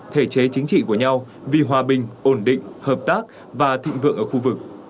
thể chế chính trị của nhau vì hòa bình ổn định hợp tác và thịnh vượng ở khu vực